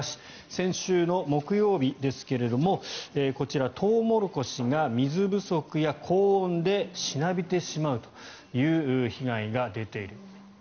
先週の木曜日ですがこちら、トウモロコシが水不足や高温でしなびてしまうという被害が出ている。